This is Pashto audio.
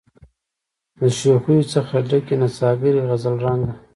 د شوخیو څخه ډکي نڅاګرې غزل رنګه